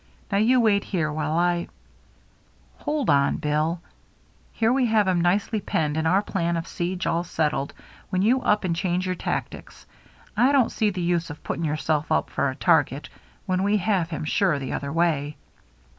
Now you wait here while I —"" Hold on. Bill. Here we have him nicely penned and our plan of siege all settled, when you up and change your tactics. I don't see the use of putting yourself up for a target when we have him sure the other way."